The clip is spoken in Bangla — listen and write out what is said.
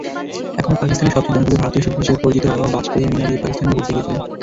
এখনো পাকিস্তানে সবচেয়ে জনপ্রিয় ভারতীয় হিসেবে পরিচিত বাজপেয়ি মিনার-ই-পাকিস্তানেও ঘুরতে গিয়েছিলেন।